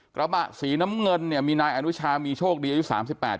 กระบะสีน้ำเงินเนี่ยมีนายอนุชามีโชคดีอายุสามสิบแปด